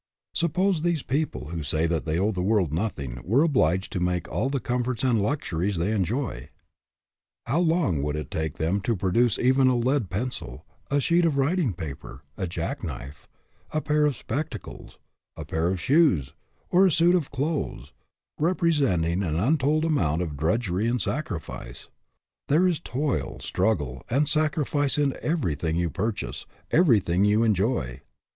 Suppose these people who say that they owe the world nothing were obliged to make all the comforts and luxuries they enjoy! How long 206 DOES THE WORLD OWE YOU? would it take them to produce even a lead pencil, a sheet of writing paper, a jackknife, a pair of spectacles, a pair of shoes, or a suit of clothes, representing an untold amount of drudgery and sacrifice? There is toil, strug gle, and sacrifice in everything you purchase, everything you enjoy.